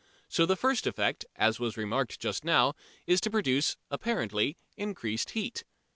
So the first effect, as was remarked just now, is to produce, apparently, increased heat.